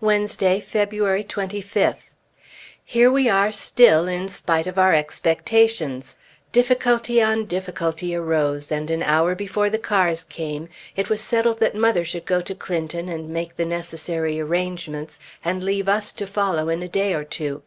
Wednesday, February 25th. Here we are still, in spite of our expectations. Difficulty on difficulty arose, and an hour before the cars came, it was settled that mother should go to Clinton and make the necessary arrangements, and leave us to follow in a day or two.